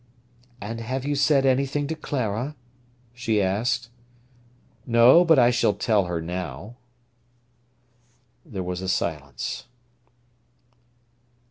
"And have you said anything to Clara?" she asked. "No; but I shall tell her now." There was a silence.